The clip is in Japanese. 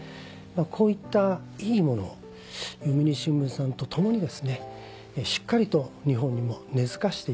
こういったいいものを読売新聞さんと共にしっかりと日本にも根付かせていきたい。